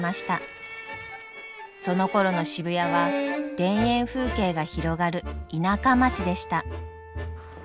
そのころの渋谷は田園風景が広がる田舎町でした。